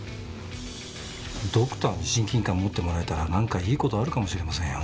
ドクターに親近感持ってもらえたらなんかいい事あるかもしれませんよ。